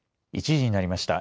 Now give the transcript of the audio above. １時になりました。